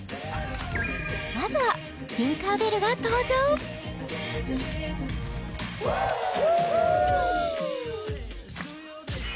まずはティンカー・ベルが登場フゥ！